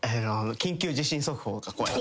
「緊急地震速報です」